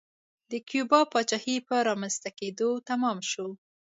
د کیوبا پاچاهۍ په رامنځته کېدو تمام شو.